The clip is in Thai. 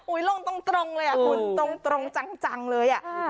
ลงตรงเลยอ่ะคุณตรงจังเลยอ่ะ